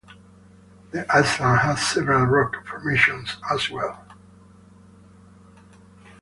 The island has several rock formations as well.